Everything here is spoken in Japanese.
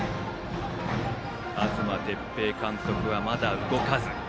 東哲平監督はまだ動かず。